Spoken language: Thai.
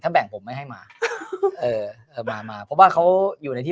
แบ่งผมไม่ให้มาเอ่อเอ่อมามาเพราะว่าเขาอยู่ในที่